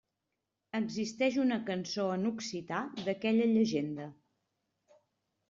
Existeix una cançó en occità d'aquella llegenda.